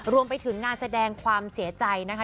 รวมไปถึงงานแสดงความเสียใจนะคะ